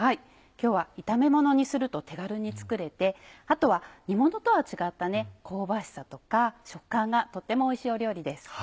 今日は炒めものにすると手軽に作れてあとは煮ものとは違った香ばしさとか食感がとてもおいしい料理です。